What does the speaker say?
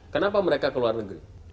kenapa mereka keluar negeri